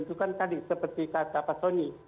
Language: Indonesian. ditentukan tadi seperti kata pak soni